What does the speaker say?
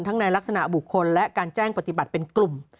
ในลักษณะบุคคลและการแจ้งปฏิบัติเป็นกลุ่ม